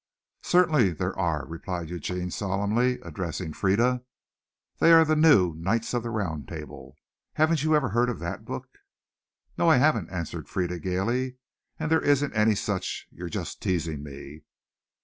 "Certainly there are," replied Eugene solemnly, addressing Frieda. "They are the new Knights of the Round Table. Haven't you ever heard of that book?" "No, I haven't," answered Frieda gaily, "and there isn't any such. You're just teasing me."